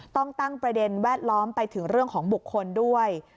ต้องตั้งประเด็นแวดล้อมไปถึงเรื่องของบุคคลด้วย